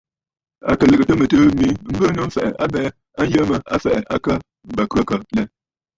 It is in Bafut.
À kɨ lɨ̀gɨtə̀ mɨtɨ̀ɨ̂ mi mbɨɨnə̀ m̀fɛ̀ʼɛ̀ abɛɛ a yə mə a fɛ̀ʼɛ akə bə khə̂kə̀ lɛ.